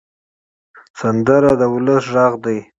سندره د ولس غږ دی